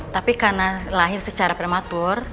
tapi karena lahir secara prematur